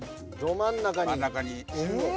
真ん中に。